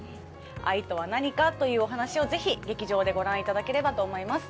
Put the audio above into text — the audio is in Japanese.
愛とは何か？というお話をぜひ劇場でご覧いただければと思います。